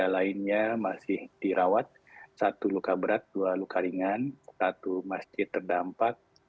tiga lainnya masih dirawat satu luka berat dua luka ringan satu masjid terdampak